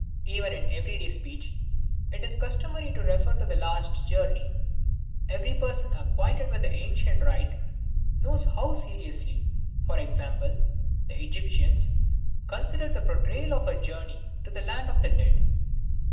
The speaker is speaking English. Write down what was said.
Even in everyday speech it is customary to refer to the last journey. Every person acquainted with ancient rite knows how seriously, for example, the Egyptians considered the portrayal of a journey to the land of the dead.